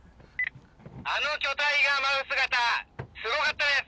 あの巨体が舞う姿、すごかったです。